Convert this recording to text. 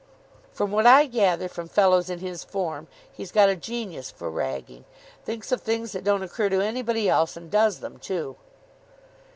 "From what I gather from fellows in his form he's got a genius for ragging. Thinks of things that don't occur to anybody else, and does them, too."